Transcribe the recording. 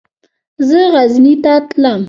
زه غزني ته تلم.